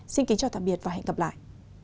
xin kính chào tạm biệt và hẹn gặp lại